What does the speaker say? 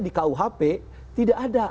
di kuhp tidak ada